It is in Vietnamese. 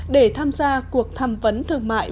để tham gia cuộc tham vấn thương mại